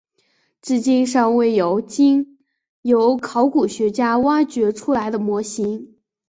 至今尚未有经由考古学家挖掘出来的模型。